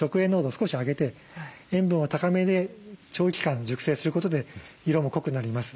少し上げて塩分を高めで長期間熟成することで色も濃くなります。